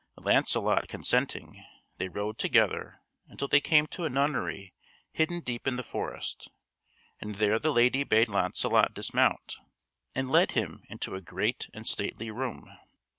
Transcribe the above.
Launcelot consenting, they rode together until they came to a nunnery hidden deep in the forest; and there the lady bade Launcelot dismount, and led him into a great and stately room.